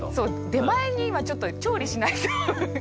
出前に今ちょっと調理しないと。